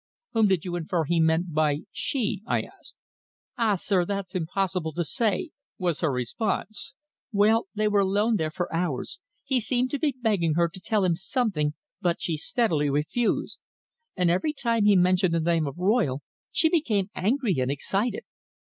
'" "Whom did you infer he meant by she?" I asked. "Ah, sir, that's impossible to say," was her response. "Well, they were alone there for hours. He seemed to be begging her to tell him something, but she steadily refused. And every time he mentioned the name of Royle she became angry and excited.